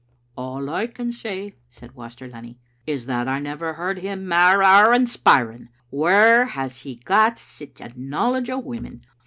"All I can say," said Waster Lunny, "is that I never heard him mair awe inspiring. Whaur has he got sic a knowledge of women?